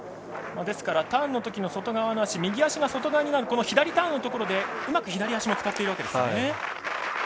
ですからターンのときの外側の足右足が外側になる左ターンでうまく左足も使っているわけですね。